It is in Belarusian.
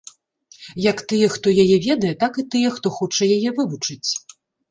Як тыя, хто яе ведае, так і тыя, хто хоча яе вывучыць.